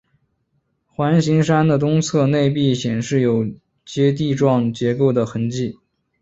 环形山的东侧内壁显示有阶地状结构的痕迹。